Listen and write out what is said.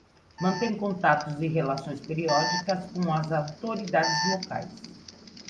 Mantém contatos e relações periódicas com as autoridades locais.